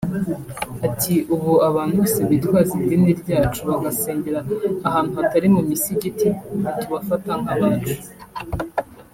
Ati « Ubu abantu bose bitwaza idini ryacu bagasengera ahantu hatari mu misigiti ntitubafata nk’abacu